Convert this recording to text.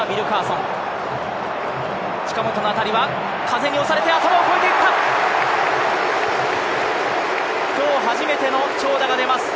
近本の当たりは風に押されて頭を越えていった。